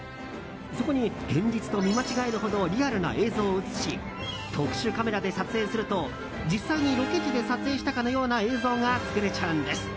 そこに、現実と見間違えるほどリアルな映像を映し特殊カメラで撮影すると実際にロケ地で撮影したかのような映像が作れちゃうんです。